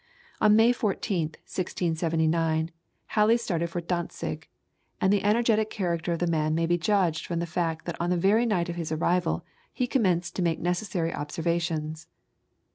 On May 14th, 1679, Halley started for Dantzig, and the energetic character of the man may be judged from the fact that on the very night of his arrival he commenced to make the necessary observations.